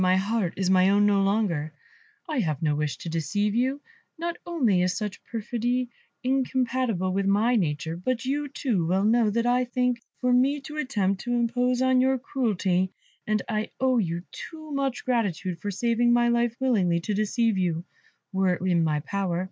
My heart is mine no longer; I have no wish to deceive you; not only is such perfidy incompatible with my nature, but you too well know what I think for me to attempt to impose on your credulity, and I owe you too much gratitude for saving my life willingly to deceive you, were it in my power.